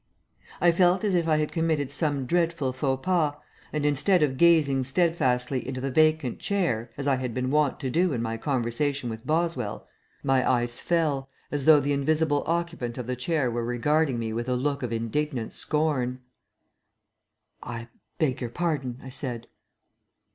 I felt as if I had committed some dreadful faux pas, and instead of gazing steadfastly into the vacant chair, as I had been wont to do in my conversation with Boswell, my eyes fell, as though the invisible occupant of the chair were regarding me with a look of indignant scorn. "I beg your pardon," I said.